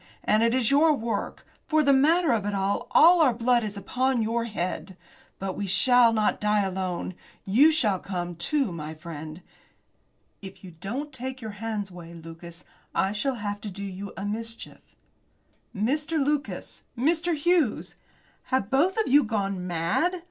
And it is your work. For the matter of that, all our blood is upon your head. But we shall not die alone. You shall come, too, my friend." "If you don't take your hands away, Lucas, I shall have to do you a mischief." "Mr. Lucas! Mr. Hughes! Have you both of you gone mad?